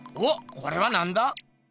これはなんだ？